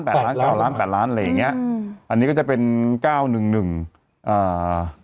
ล้านเก้าล้านแปดล้านอะไรอย่างเงี้ยอืมอันนี้ก็จะเป็นเก้าหนึ่งหนึ่งอ่า